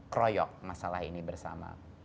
kroyok masalah ini bersama